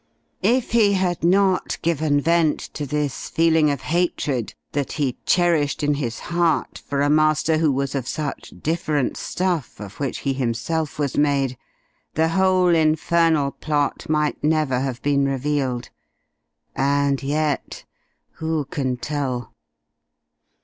If he had not given vent to this feeling of hatred that he cherished in his heart for a master who was of such different stuff of which he himself was made, the whole infernal plot might never have been revealed. And yet who can tell?